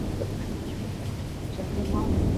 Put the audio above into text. Doufám, že nikoho nepřekvapí, když podpořím tento názor.